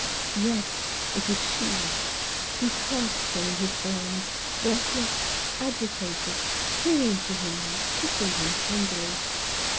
Yes, it was she. He clasped her in his arms, breathless, agitated, clinging to him, and kissing him tenderly.